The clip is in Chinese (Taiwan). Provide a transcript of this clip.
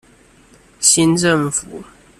新政府